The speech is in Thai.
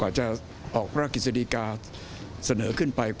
อาจารย์คำกันพระพิจารณ์ดูข้อเก่าค่ะของผู้ชมลงที่ดูเหมือนจะไร้แรง